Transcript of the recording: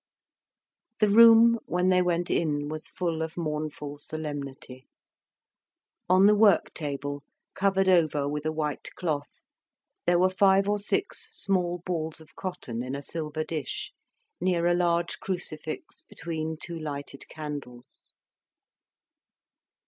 The room when they went in was full of mournful solemnity. On the work table, covered over with a white cloth, there were five or six small balls of cotton in a silver dish, near a large crucifix between two lighted candles.